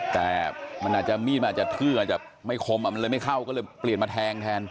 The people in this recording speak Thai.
แต่มันอาจจะมีดมันอาจจะทื้ออาจจะไม่คมมันเลยไม่เข้าก็เลยเปลี่ยนมาแทงแทน